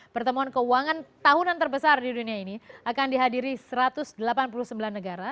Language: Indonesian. pertemuan keuangan tahunan terbesar di dunia ini akan dihadiri satu ratus delapan puluh sembilan negara